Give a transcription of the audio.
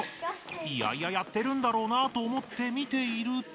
いやいややってるんだろうなと思って見ていると。